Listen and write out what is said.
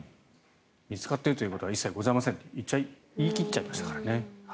見つかっているということは一切ございませんと言い切っちゃいましたからね。